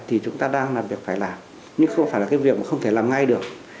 thì chúng ta đang làm việc phải làm nhưng không phải là cái việc mà không thể làm ngay được